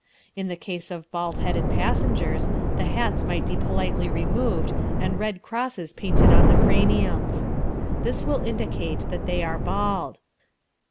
In the case of bald headed passengers, the hats might be politely removed and red crosses painted on the craniums. This will indicate that they are bald.